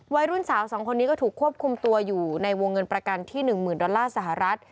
วัยรุ่นสาว๒คนนี้ก็ถูกควบคุมตัวอยู่ในวงเงินประกันที่๑๐๐๐ดอลลาร์สหรัฐ